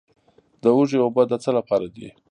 د هوږې اوبه د څه لپاره دي؟